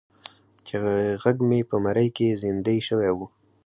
چې غږ مې په مرۍ کې زیندۍ شوی و.